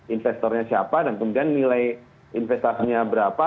investornya siapa dan kemudian nilai investasinya berapa